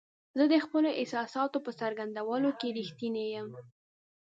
زه د خپلو احساساتو په څرګندولو کې رښتینی یم.